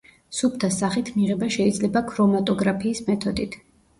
სუფთა სახით მიღება შეიძლება ქრომატოგრაფიის მეთოდით.